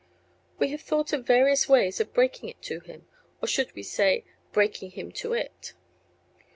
We have thought of various ways of breaking it to him, or should we say breaking him to it?